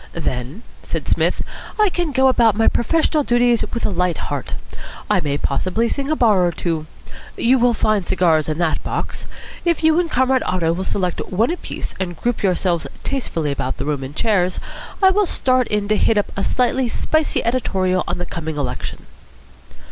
"Then," said Psmith, "I can go about my professional duties with a light heart. I may possibly sing a bar or two. You will find cigars in that box. If you and Comrade Otto will select one apiece and group yourselves tastefully about the room in chairs, I will start in to hit up a slightly spicy editorial on the coming election."